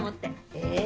え？